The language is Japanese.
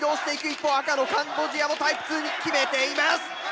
一方赤のカンボジアもタイプ２に決めています！